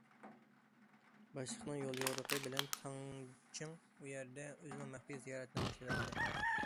باشلىقنىڭ يوليورۇقى بىلەن تاڭ چىڭ ئۇ يەردە ئۆزىنىڭ مەخپىي زىيارىتىنى باشلىۋەتتى.